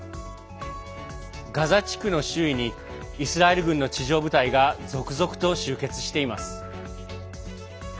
ガザ地区の周囲にイスラエル軍の地上部隊が続々と集結しています。